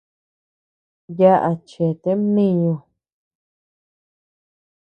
Yaʼa chete mniñu.